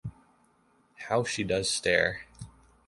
How she does stare!